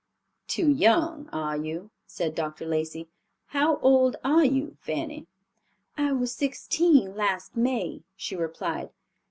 "Too young, are you?" said Dr. Lacey. "How old are you, Fanny?" "I was sixteen last May," she replied.